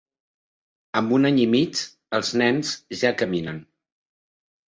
Amb un any i mig, els nens ja caminen.